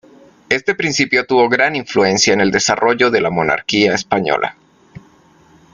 Este principio tuvo gran influencia en el desarrollo de la Monarquía Española.